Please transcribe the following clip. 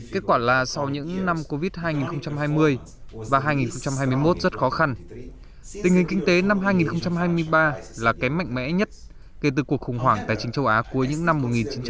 kết quả là sau những năm covid hai nghìn hai mươi và hai nghìn hai mươi một rất khó khăn tình hình kinh tế năm hai nghìn hai mươi ba là kém mạnh mẽ nhất kể từ cuộc khủng hoảng tài chính châu á cuối những năm một nghìn chín trăm bảy mươi